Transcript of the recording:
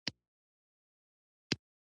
هیڅوک د مور په شان مینه نه شي درکولای.